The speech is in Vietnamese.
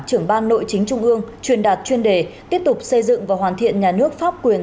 trưởng ban nội chính trung ương truyền đạt chuyên đề tiếp tục xây dựng và hoàn thiện nhà nước pháp quyền